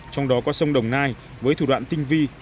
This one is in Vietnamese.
trong đó có sông đồng nai với thủ đoạn tinh vi